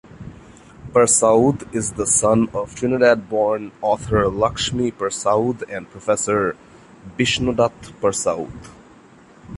Persaud is the son of Trinidad-born author Lakshmi Persaud and Professor Bishnodat Persaud.